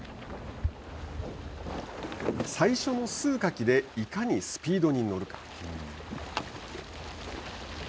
最初の数かきでいかにスピードに乗るか。